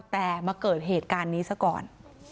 แต่มาเกิดเหตุการณ์นี้ซะก่อน